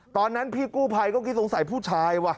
พี่กู้ภัยก็คิดสงสัยผู้ชายว่ะ